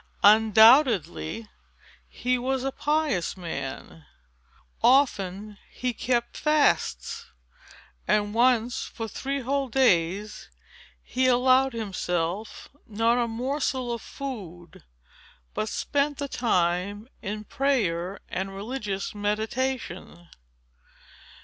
Undoubtedly, he was a pious man. Often he kept fasts; and once, for three whole days, he allowed himself not a morsel of food, but spent the time in prayer and religious meditation.